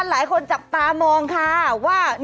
หลายคนจับตามองค่ะว่า